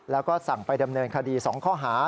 แล้วก็สั่งไปดำเนินคดี๒ข้อหา